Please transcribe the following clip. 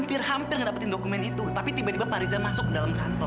hampir hampir ngedapetin dokumen itu tapi tiba tiba pak riza masuk ke dalam kantor